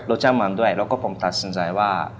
รสชาติเหมือนด้วยแล้วก็ผมตัดสินใจว่า